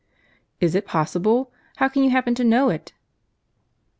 "Is it possible? How can you happen to know it?"